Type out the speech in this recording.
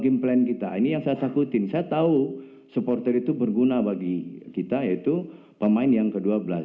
ini yang saya sakutin saya tahu supporter itu berguna bagi kita yaitu pemain yang ke dua belas